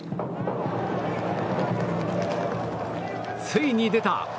ついに出た！